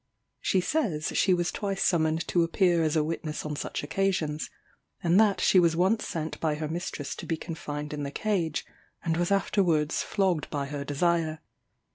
She says she was twice summoned to appear as a witness on such occasions; and that she was once sent by her mistress to be confined in the Cage, and was afterwards flogged by her desire.